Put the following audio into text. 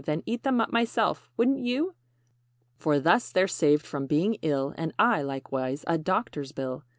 Then eat them up myself wouldn't you? For thus they're saved from being ill, And I, likewise, a doctor's bill.